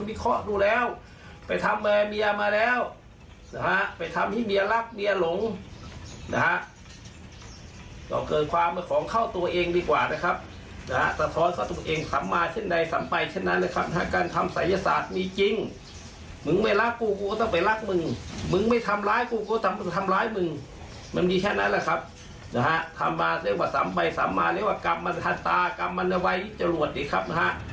มันไม่มีแค่นั้นแหละครับ